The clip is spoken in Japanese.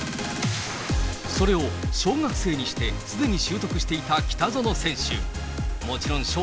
それを小学生にしてすでに習得していた北園選手。